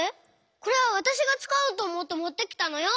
これはわたしがつかおうとおもってもってきたのよ！